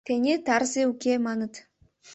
— Тений тарзе уке, маныт.